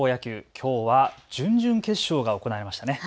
きょうは準々決勝が行われましたね。